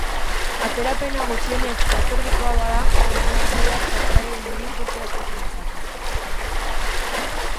Atzerapena gutxienez bost ordukoa bada, kontsumitzaileak txartelaren diru-itzultzea eskatu dezake.